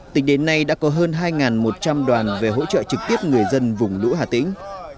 tính đến nay đã có hơn hai một trăm linh đoàn về hỗ trợ trực tiếp người dân vùng lũ hà tĩnh